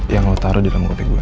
yang lo taruh di dalam kopi gue